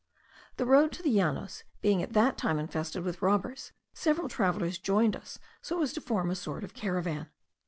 The road to the Llanos being at that time infested with robbers, several travellers joined us so as to form a sort of caravan.